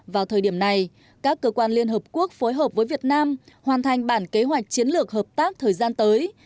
vào thời điểm này các cơ quan liên hợp quốc phối hợp với việt nam hoàn thành bản kế hoạch chiến lược hợp tác thời gian tới